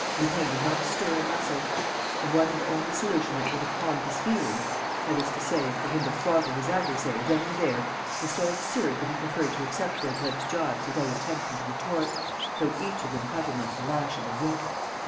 Lupin did not stir a muscle. The one and only solution that would have calmed his feelings, that is to say, for him to throttle his adversary then and there, was so absurd that he preferred to accept Daubrecq's gibes without attempting to retort, though each of them cut him like the lash of a whip.